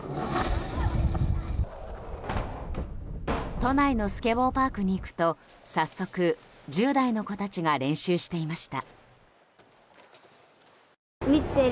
都内のスケボーパークに行くと早速１０代の子たちが練習していました。